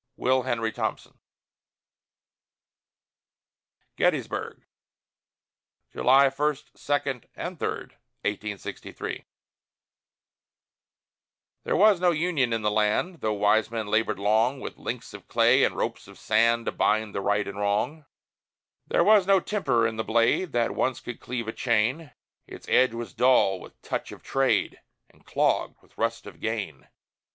WILL HENRY THOMPSON. GETTYSBURG [July 1, 2, 3, 1863] There was no union in the land, Though wise men labored long With links of clay and ropes of sand To bind the right and wrong. There was no temper in the blade That once could cleave a chain; Its edge was dull with touch of trade And clogged with rust of gain.